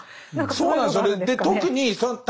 そうなんですよね。